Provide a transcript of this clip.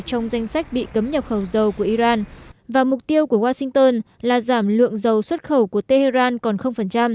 trong danh sách bị cấm nhập khẩu dầu của iran và mục tiêu của washington là giảm lượng dầu xuất khẩu của tehran còn